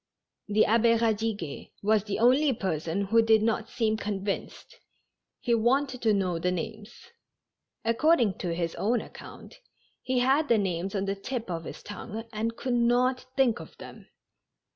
The Abbe Eadiguet was the 224 TASTING THE DRINK. only person who did not seem convinced ; he wanted to know tbe names. According to his own account, he had the names on the tip of his tongue and could not think of them.